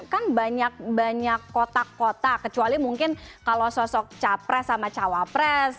kan banyak banyak kotak kotak kecuali mungkin kalau sosok capres sama cawapres